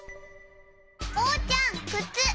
おうちゃんくつ！